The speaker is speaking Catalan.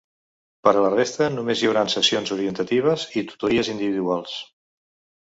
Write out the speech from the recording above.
Per a la resta només hi haurà sessions orientatives i tutories individuals.